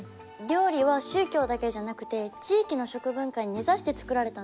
料理は宗教だけじゃなくて地域の食文化に根ざして作られたんですね。